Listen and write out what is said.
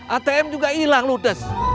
atm juga hilang ludes